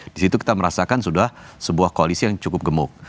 di situ kita merasakan sudah sebuah koalisi yang cukup gemuk